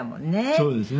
そうですね。